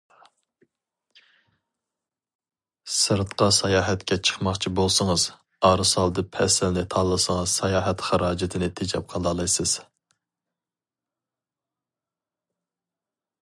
سىرتقا ساياھەتكە چىقماقچى بولسىڭىز ئارىسالدى پەسىلنى تاللىسىڭىز ساياھەت خىراجىتىنى تېجەپ قالالايسىز.